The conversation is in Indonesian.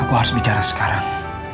aku harus bicara sekarang